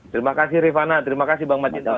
terima kasih rifana terima kasih bang majidwan